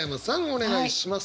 お願いします。